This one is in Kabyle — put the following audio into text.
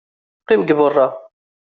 Qqim deg beṛṛa.